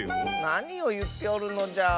なにをいっておるのじゃ。